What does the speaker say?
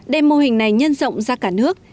đem mô hình này nhân rộng ra cả nước